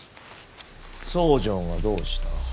僧正がどうした。